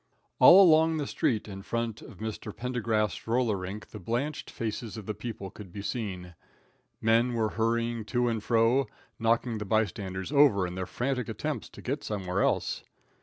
All along the street in front of Mr. Pendergast's roller rink the blanched faces of the people could be seen. Men were hurrying to and fro, knocking the bystanders over in their frantic attempts to get somewhere else.